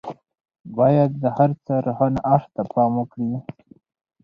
بايد د هر څه روښانه اړخ ته پام وکړي.